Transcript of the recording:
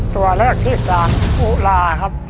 ตัวเลือกที่สามอุลาครับ